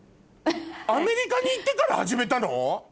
アメリカに行ってから始めたの？